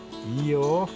いいよ